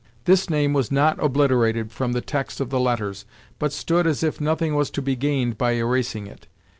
This name was not obliterated from the text of the letters, but stood as if nothing was to be gained by erasing it.